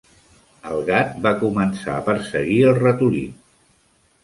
El gat va començar a perseguir el ratolí.